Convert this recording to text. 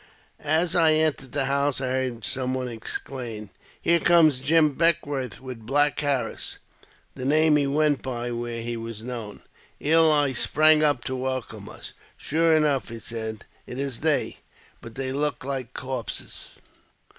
As I entered the house, I heard some one exclaim, " Here comes Jim Beckwourth and Black Harris," the name he went by where he was known. Ely sprang up to welcome us. " Sure enough," said he, " it is they; but they look like corpses."